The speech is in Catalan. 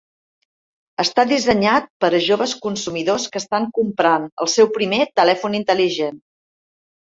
Està dissenyat per a joves consumidors que estan comprant el seu primer telèfon intel·ligent.